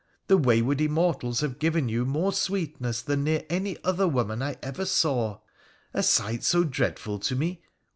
The wayward Immortals have given you more sweetness than near any other woman I ever saw —" a sight so dreadful to me?"